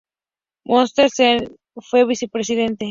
Monseñor Jean Laffitte fue vicepresidente.